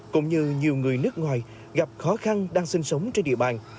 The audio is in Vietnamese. cũng như nhiều người nước ngoài gặp khó khăn đang sinh sống trên địa bàn